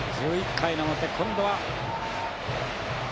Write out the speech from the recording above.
１１回の表今度は。